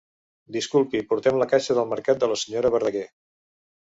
Disculpi, portem la caixa del mercat de la senyora Verdaguer.